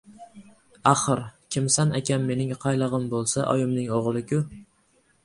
Axir... Kimsan akam mening qaylig‘lm bo‘lsa, oyimning o‘g‘li-ku!